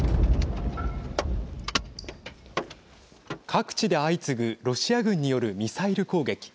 各地で相次ぐロシア軍によるミサイル攻撃。